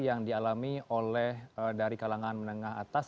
yang dialami oleh dari kalangan menengah atas